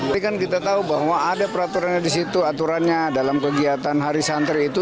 tapi kan kita tahu bahwa ada peraturannya di situ aturannya dalam kegiatan hari santri itu